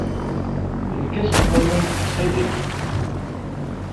Lkas n waman, ttxil-k.